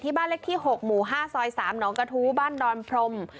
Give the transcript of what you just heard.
บ้านเล็กที่๖หมู่๕ซอย๓หนองกระทู้บ้านดอนพรม